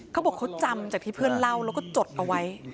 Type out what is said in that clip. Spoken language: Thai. เขาบอกเขาจำจากที่เพื่อนเล่าแล้วก็จดเอาไว้